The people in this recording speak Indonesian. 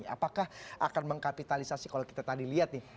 apakah akan mengkapitalisasi kalau kita tadi lihat nih